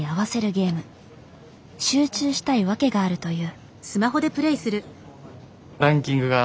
集中したい訳があるという。